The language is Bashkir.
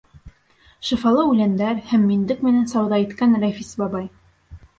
Шифалы үләндәр һәм миндек менән сауҙа иткән Рәфис бабай: